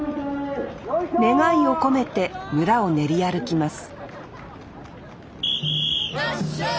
願いを込めて村を練り歩きますわっしょい！